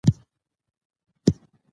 د ښو اخلاقو پالنه د ټولنې لپاره مهمه ده.